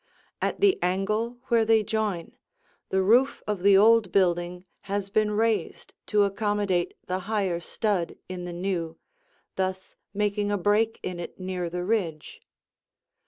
At the angle where they join, the roof of the old building has been raised to accommodate the higher stud in the new, thus making a break in it near the ridge.